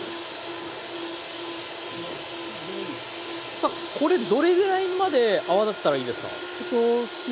さあこれどれぐらいまで泡立てたらいいですか？